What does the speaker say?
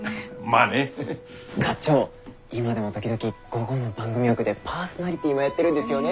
課長今でも時々午後の番組枠でパーソナリティーもやってるんですよね。